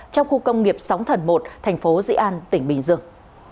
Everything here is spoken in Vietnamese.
trong khu công nghiệp sóng thần một thành phố dị an tỉnh bình dương